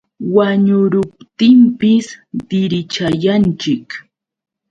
Wañuruptinpis dirichayanchik.